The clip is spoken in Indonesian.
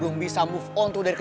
ramai banget aja ya